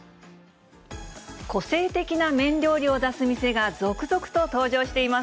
個性的な麺料理を出す店が続々と登場しています。